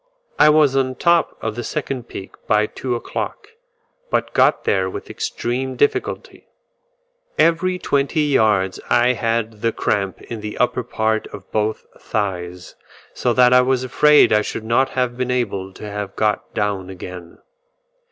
I was on the top of the second peak by two o'clock, but got there with extreme difficulty; every twenty yards I had the cramp in the upper part of both thighs, so that I was afraid I should not have been able to have got down again.